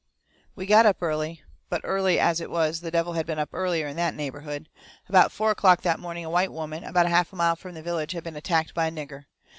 We got up early, but early as it was the devil had been up earlier in that neighbourhood. About four o'clock that morning a white woman about a half a mile from the village had been attacked by a nigger.